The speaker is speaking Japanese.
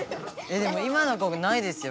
でも今の子ないですよ